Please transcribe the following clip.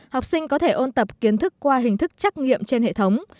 học sinh có thể ôn tập kiến thức qua hình thức trắc nghiệm trên hệ thống